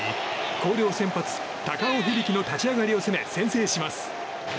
広陵先発、高尾響の立ち上がりを攻め、先制します。